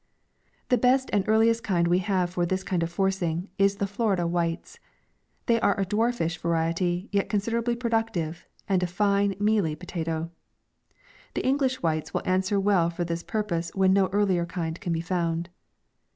The best and earliest kind we have for this kind of forcing, is the Florida whites. Thej r are a dwarfish variety, yet considerably pro ductive, and a fine, mealy potatoe. The English whites will answer well for this pur pose when no earlier kind can be found.